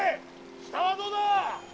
下はどうだ⁉〕